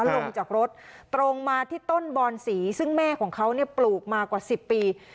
ลงจากรถตรงมาที่ต้นบอนสีซึ่งแม่ของเขาปลูกมากว่า๑๐ปี